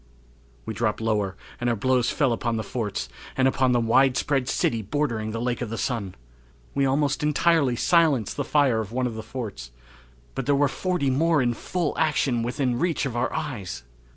We dropped lower and our blows fell upon the forts, and upon the widespread city bordering the Lake of the Sun. We almost entirely silenced the fire of one of the forts; but there were forty more in full action within reach of our eyes!